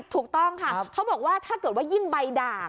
ถูกต้องค่ะเขาบอกว่าถ้าเกิดว่ายิ่งใบด่าง